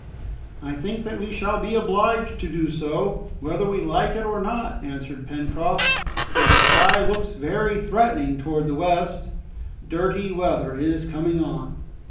"I think that we shall be obliged to do so, whether we like it or not," answered Pencroft, "for the sky looks very threatening towards the west. Dirty weather is coming on!"